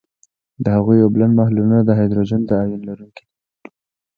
د هغوي اوبلن محلولونه د هایدروجن د آیون لرونکي دي.